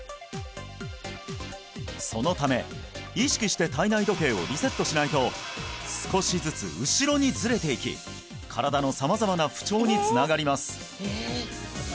そのため意識して体内時計をリセットしないと少しずつ後ろにズレていき身体の様々な不調につながります